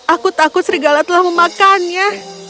aku takut serigala telah memakannya